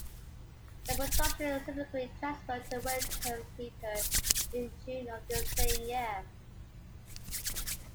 The production subsequently transferred to Wyndham's Theatre in June of the same year.